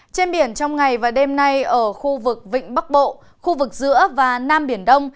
trên biển trong ngày và đêm nay ở khu vực vịnh bắc bộ khu vực giữa và nam biển đông